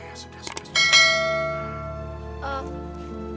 ya ya sudah sudah